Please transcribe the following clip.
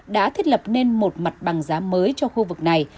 đã thiết lập nên một mặt bằng giá mới cho khu vực này